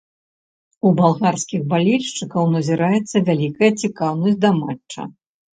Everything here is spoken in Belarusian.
У балгарскіх балельшчыкаў назіраецца вялікая цікаўнасць да матча.